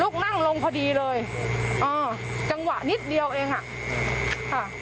นั่งลงพอดีเลยเออจังหวะนิดเดียวเองอ่ะค่ะ